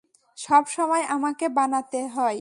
সব সময় আমাকে বানাতে হয়।